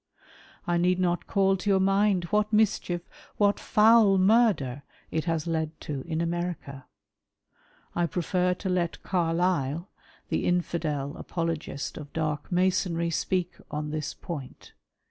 I need not call to youi' mind what mischief — what foul murder — it has led to in America. I prefer to let Carlile, the Infidel apologist of dark Masonry, speak on this point.